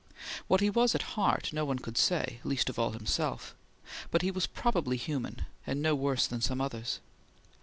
What he was at heart, no one could say; least of all himself; but he was probably human, and no worse than some others.